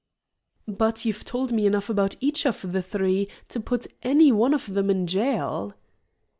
"But you've told me enough about each of the three to put any one of them in jail."